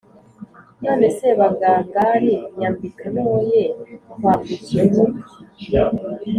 None Sebagangali nyambika noye kwambukirwa: